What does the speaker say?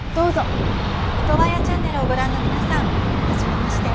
オトワヤチャンネルをご覧の皆さんはじめまして。